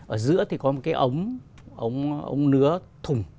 ở giữa thì có một cái ống ống nứa thùng